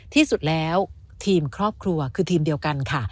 ที่สุดแล้วทีมครอบครัวคือทีมเดียวกันค่ะ